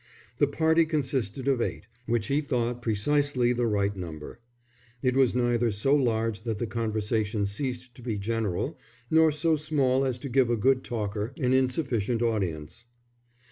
The party consisted of eight, which he thought precisely the right number. It was neither so large that the conversation ceased to be general nor so small as to give a good talker an insufficient audience.